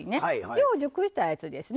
よう熟したやつですね。